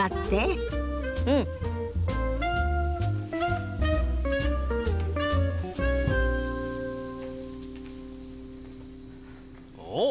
うん！おっ！